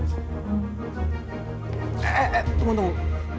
eh eh eh tunggu tunggu